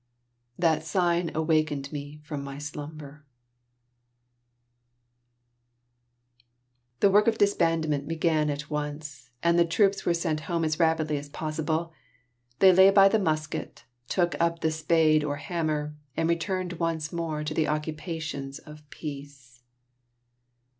that sign Awakened me from my slumber. BRET HARTE. The work of disbandment began at once, and the troops were sent home as rapidly as possible; they laid by the musket, took up the spade or hammer, and returned once more to the occupations of peace.